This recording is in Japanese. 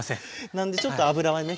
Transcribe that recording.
なんでちょっと油はね